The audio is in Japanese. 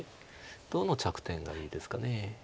どの着点がいいですか。